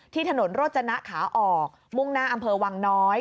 ถนนโรจนะขาออกมุ่งหน้าอำเภอวังน้อย